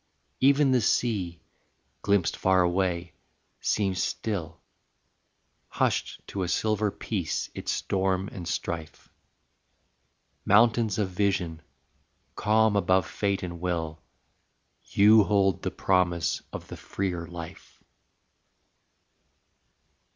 Even the sea, glimpsed far away, seems still, Hushed to a silver peace its storm and strife. Mountains of vision, calm above fate and will, You hold the promise of the freer life.